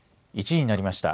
１時になりました。